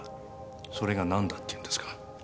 それが何だっていうんですか？